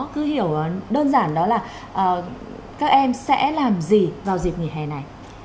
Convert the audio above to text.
cứ hiểu đơn giản đó là các em sẽ làm gì vào dịp nghỉ hè này